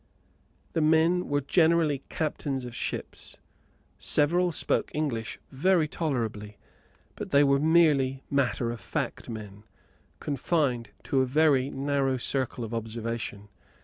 The men were generally captains of ships. Several spoke English very tolerably, but they were merely matter of fact men, confined to a very narrow circle of observation.